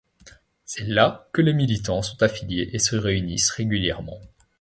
C’est là que les militants sont affiliés et se réunissent régulièrement.